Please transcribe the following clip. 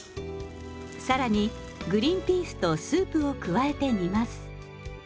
更にグリンピースとスープを加えて煮ます。